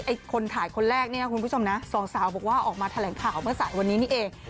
คนถ่ายคนแรกเนี่ยนะคุณผู้ชมนะสองสาวบอกว่าออกมาแถลงข่าวเมื่อสายวันนี้นี่เอง